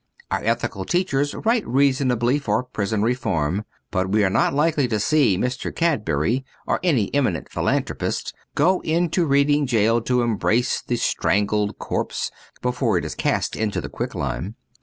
Our ethical teachers write reasonably for prison reform ; but we are not likely to see Mr. Cadbury, or any eminent philanthropist, go into Reading Jail to embrace the strangled corpse before it is cast into the quicklime.